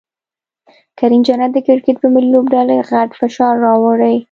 کریم جنت د کرکټ په ملي لوبډلې غټ فشار راوړي